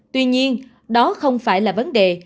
tuy nhiên đó không phải là vấn đề